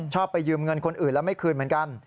ไปยืมเงินคนอื่นแล้วไม่คืนเหมือนกัน